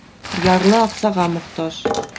Ярлы аҡсаға мохтаж.